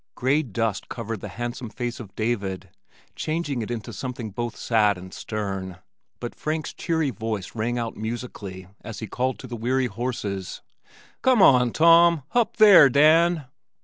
Gray dust covered the handsome face of David, changing it into something both sad and stern, but Frank's cheery voice rang out musically as he called to the weary horses, "Come on, Tom! Hup there, Dan!"